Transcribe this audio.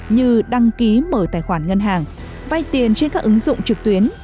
như đăng ký mở tài khoản ngân hàng vay tiền trên các ứng dụng trực tuyến